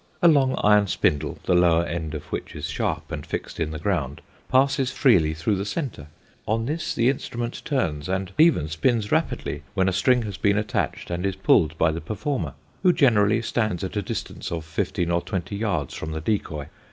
A long iron spindle, the lower end of which is sharp and fixed in the ground, passes freely through the centre; on this the instrument turns, and even spins rapidly when a string has been attached and is pulled by the performer, who generally stands at a distance of fifteen or twenty yards from the decoy.